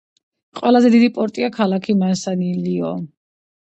ყველაზე დიდი პორტია ქალაქი მანსანილიო.